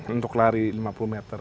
untuk lari lima puluh meter